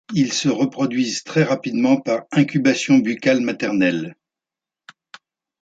Ils se reproduisent très rapidement par incubation buccal maternelle.